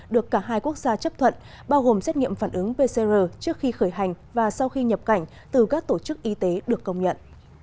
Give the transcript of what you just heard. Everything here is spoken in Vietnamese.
được cả hai quốc gia chấp thuận bao gồm xét nghiệm phản ứng pcr trước khi khởi hành và sau khi nhập cảnh từ các tổ chức y tế được công nhận